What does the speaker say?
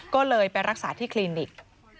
ก็เลยไปรักษาที่คลินิก